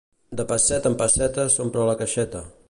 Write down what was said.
De pesseta en pesseta s'omple la caixeta.